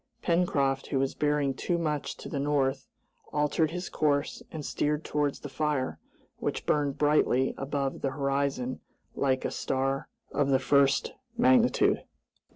Pencroft, who was bearing too much to the north, altered his course and steered towards the fire, which burned brightly above the horizon like a star of the first magnitude.